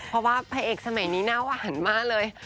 เพราะว่าพระเอกสมัยนี้หน้าหวานมากเลย